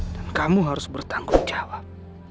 dan kamu harus bertanggung jawab